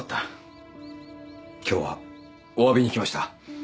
今日はお詫びに来ました。